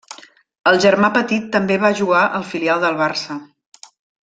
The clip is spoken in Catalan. El germà petit també va jugar al filial del Barça.